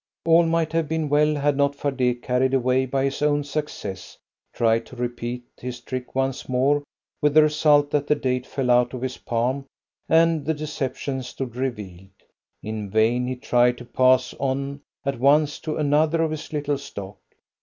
All might have been well had not Fardet, carried away by his own success, tried to repeat his trick once more, with the result that the date fell out of his palm, and the deception stood revealed. In vain he tried to pass on at once to another of his little stock.